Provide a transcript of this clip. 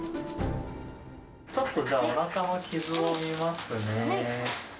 ちょっとじゃあ、おなかの傷を見ますね。